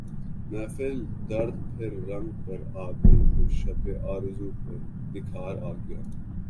محفل درد پھر رنگ پر آ گئی پھر شب آرزو پر نکھار آ گیا